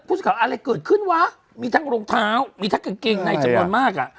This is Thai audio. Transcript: ข่าวอะไรเกิดขึ้นวะมีทั้งรองเท้ามีทั้งกางเกงในจำนวนมากอ่ะ